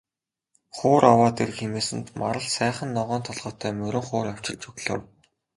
Хуур аваад ир хэмээсэнд Марал сайхан ногоон толгойтой морин хуур авчирч өглөө.